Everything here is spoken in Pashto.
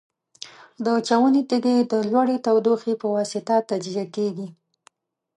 د چونې تیږې د لوړې تودوخې په واسطه تجزیه کیږي.